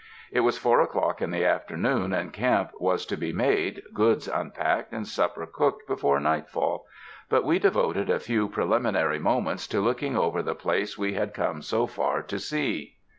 It was four o'clock in the afternoon, and camp was to be made, goods unpacked and supper cooked before nightfall; but we devoted a few preliminary moments to looking over the place we had come so far to see.